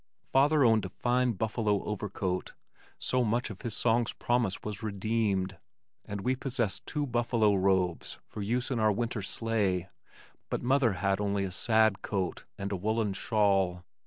Father owned a fine buffalo overcoat (so much of his song's promise was redeemed) and we possessed two buffalo robes for use in our winter sleigh, but mother had only a sad coat and a woolen shawl.